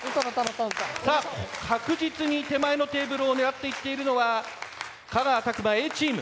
さあ確実に手前のテーブルを狙っていっているのは香川詫間Ａチーム。